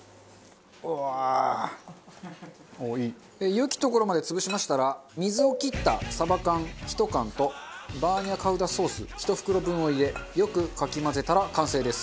良きところまで潰しましたら水を切ったサバ缶１缶とバーニャカウダソース１袋分を入れよくかき混ぜたら完成です。